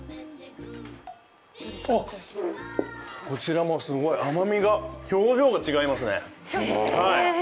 こちらも甘みが、表情が違いますね。